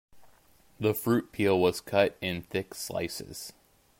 The fruit peel was cut in thick slices.